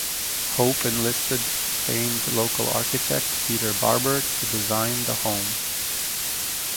Hope enlisted famed local architect Peter Barber to design the home.